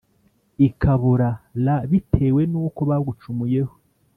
ikabura r bitewe n uko bagucumuyeho